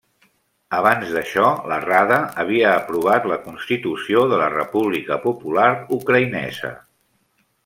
Abans d'això, la Rada havia aprovat la Constitució de la República Popular Ucraïnesa.